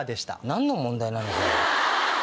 何の問題なの？